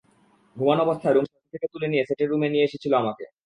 ঘুমানো অবস্থায় রুম থেকে তুলে নিয়ে সেটের রুমে নিয়ে এসেছিল আমাকে।